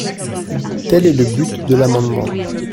Tel est le but de l’amendement.